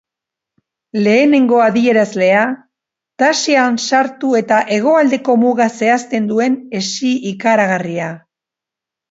Lehenengo adierazlea, taxian sartu eta hegoaldeko muga zehazten duen hesi ikaragarria.